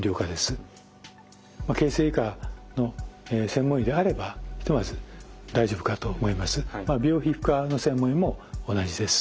形成外科の専門医であればひとまず大丈夫かと思います。